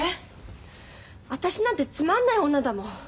私なんてつまんない女だもん。